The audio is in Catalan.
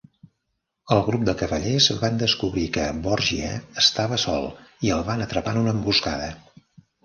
El grup de cavallers van descobrir que Borgia estava sol i el van atrapar en una emboscada.